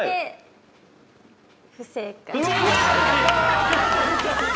不正解。